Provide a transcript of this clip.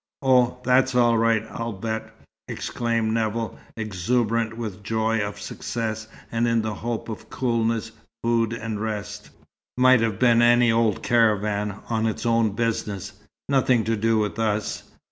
"Oh, that's all right, I'll bet," exclaimed Nevill, exuberant with the joy of success, and in the hope of coolness, food and rest. "Might have been any old caravan, on its own business nothing to do with us.